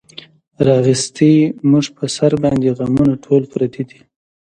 راغیستې مونږ پۀ سر باندې غمونه ټول پردي دي